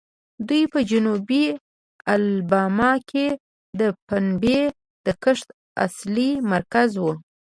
دوی په جنوبي الاباما کې د پنبې د کښت اصلي مرکز وو.